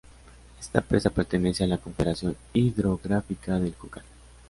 Esta presa pertenece a la Confederación Hidrográfica del Júcar